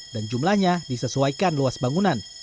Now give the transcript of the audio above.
dan jumlanya disesuaikan luas bangunan